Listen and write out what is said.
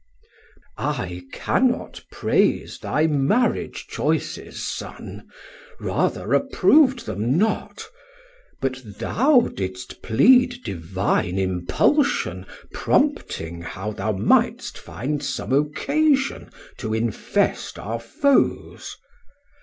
Man: I cannot praise thy Marriage choises, Son, 420 Rather approv'd them not; but thou didst plead Divine impulsion prompting how thou might'st Find some occasion to infest our Foes.